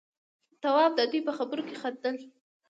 تواب د دوي په خبرو کې خندل.